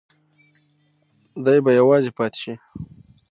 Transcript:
دی به یوازې پاتې شي.